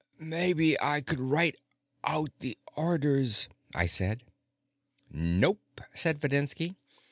"Maybe I could write out the orders," I said. "Nope," said Videnski.